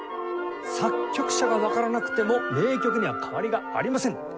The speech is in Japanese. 作曲者がわからなくても名曲には変わりがありません。